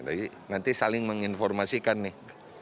jadi nanti saling menginformasikan nih